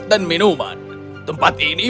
dan minuman tempat ini